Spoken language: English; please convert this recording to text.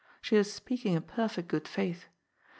She was speaking in perfect good faith.